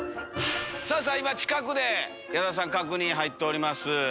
さぁ今近くで矢田さん確認入っております。